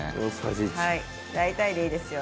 はい大体でいいですよ。